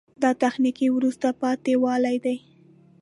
دا تخنیکي وروسته پاتې والی ده.